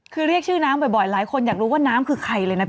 คือเรียกชื่อน้ำบ่อยหลายคนอยากรู้ว่าน้ำคือใครเลยนะพี่